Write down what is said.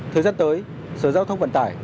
thời gian tới sở giao thông vận tải